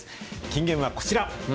金言はこちら。